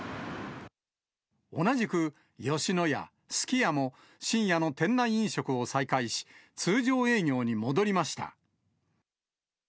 同じく吉野家、すき家も深夜の店内飲食を再開し、通常営業に戻りました。